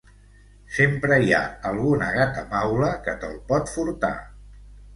Sempre hi ha alguna gata maula que te’l pot furtar.